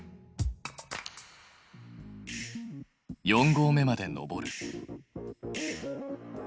四合目まで登る。